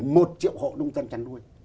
một triệu hộ nông dân chăn nuôi